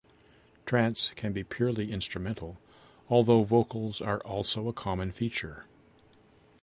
Trance can be purely instrumental, although vocals are also a common feature.